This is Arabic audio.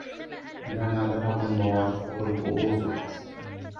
لنا ذهب بواتقه الكؤوس